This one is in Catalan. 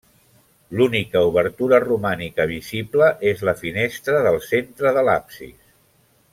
L'única obertura romànica visible és la finestra del centre de l'absis.